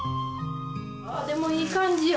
でもいい感じよ。